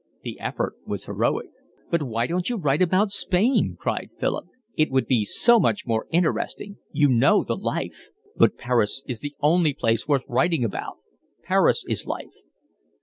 The effort was heroic. "But why don't you write about Spain?" cried Philip. "It would be so much more interesting. You know the life." "But Paris is the only place worth writing about. Paris is life."